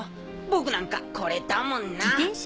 僕なんかコレだもんな。